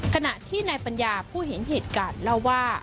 ขณะที่นายปัญญาผู้เห็นเหตุการณ์เล่าว่า